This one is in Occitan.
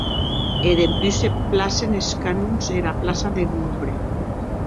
E dempús se placen es canons ena plaça deth Louvre.